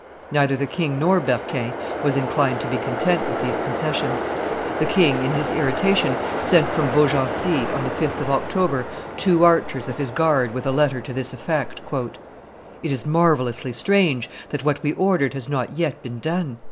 Neither the king nor Berquin was inclined to be content with these concessions. The king in his irritation sent from Beaugency, on the 5th of October, two archers of his guard with a letter to this effect: "It is marvellously strange that what we ordered has not yet been done.